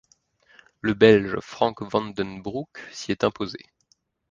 Le Belge Frank Vandenbroucke s'y est imposé.